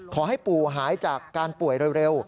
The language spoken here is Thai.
ขอให้ปู่หายจากการป่วยเร็ว